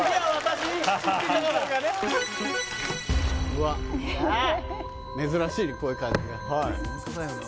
うわ珍しいねこういう感じね・